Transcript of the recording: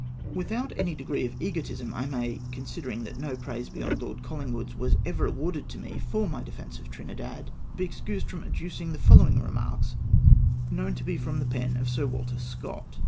Without any degree of egotism, I may — considering that no praise beyond Lord Collingwood's was ever awarded to me for my defence of Trinidad — be excused from adducing the following remarks, known to be fi^om the pen of Sir Walter Scott.